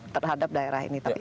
terhadap daerah ini tapi